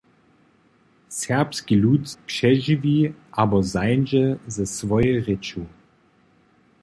Serbski lud přežiwi abo zańdźe ze swojej rěču.